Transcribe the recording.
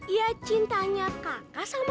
ya cintanya kakak sama kak luna lah